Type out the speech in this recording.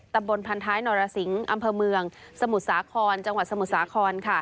บนพันท้ายนรสิงศ์อำเภอเมืองสมุทรสาครจังหวัดสมุทรสาคร